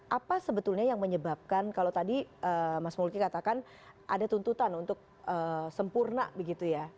apa sebetulnya yang menyebabkan kalau tadi mas multi katakan ada tuntutan untuk sempurna begitu ya